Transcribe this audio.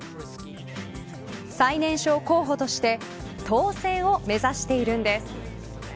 最年少候補として当選を目指しているんです。